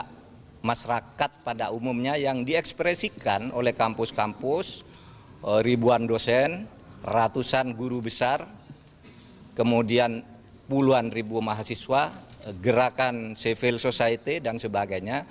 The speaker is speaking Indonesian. karena masyarakat pada umumnya yang diekspresikan oleh kampus kampus ribuan dosen ratusan guru besar kemudian puluhan ribu mahasiswa gerakan civil society dan sebagainya